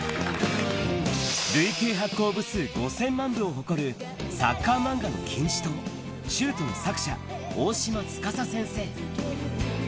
累計発行部数５０００万部を誇るサッカー漫画の金字塔、シュート！の作者、大島司先生。